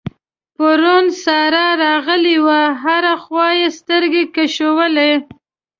پرون سارا راغلې وه؛ هره خوا يې سترګې کشولې.